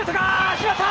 決まった！